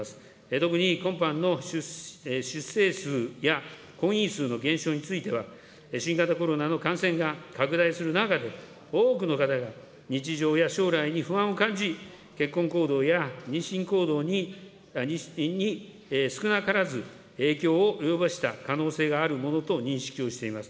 特に今般の出生数や婚姻数の減少については新型コロナの感染が拡大する中で多くの方が、日常や将来に不安を感じ、結婚行動や妊娠行動に少なからず影響を及ぼした可能性があるものと認識をしております。